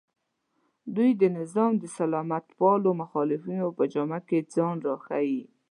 دوی د نظام د مسالمتپالو مخالفانو په جامه کې ځان راښیي